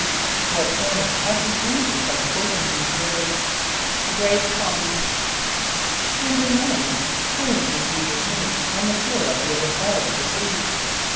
= What came after J[=e]´[s+]us had spoken these words? =A great calm.= =9.= Whom did J[=e]´[s+]us meet on the shore at the other side of the sea?